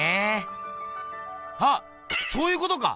あっそういうことか！